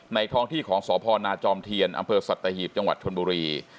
ท้องที่ของสพนาจอมเทียนอำเภอสัตหีบจังหวัดชนบุรี